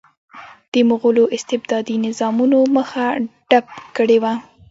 د مغولو استبدادي نظامونو مخه ډپ کړې وه.